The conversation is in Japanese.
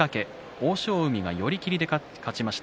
欧勝海が寄り切りで勝ちました。